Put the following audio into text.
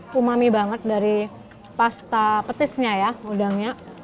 puma mie banget dari pasta petisnya ya udangnya